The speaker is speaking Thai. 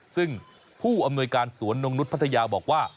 ซึ่งผู้อำนวยการสวนนงนุษย์พัทยาบอกว่า